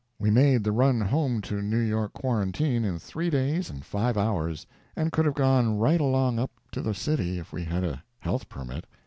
We made the run home to New York quarantine in three days and five hours, and could have gone right along up to the city if we had had a health permit.